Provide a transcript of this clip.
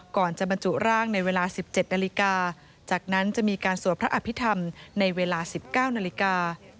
ก่อนจะบรรจุร่างในเวลา๑๗นาฬิกาจากนั้นจะมีการสวดพระอภิษฐรรมในเวลา๑๙นาฬิกา